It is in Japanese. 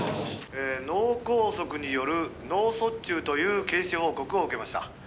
「脳こうそくによる脳卒中という検視報告を受けました」